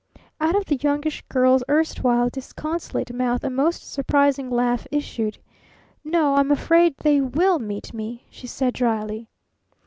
Out of the Youngish Girl's erstwhile disconsolate mouth a most surprising laugh issued. "No! I'm afraid they will meet me," she said dryly.